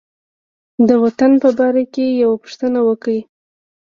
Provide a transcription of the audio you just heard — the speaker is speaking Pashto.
د وطن په باره کې یې پوښتنه وکړه.